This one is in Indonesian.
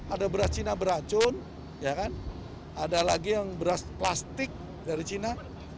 ada beras cina beracun ada lagi yang beras plastik dari cina